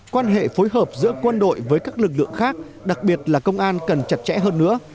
quan hệ phối hợp giữa quân đội với các lực lượng khác đặc biệt là công an cần chặt chẽ hơn nữa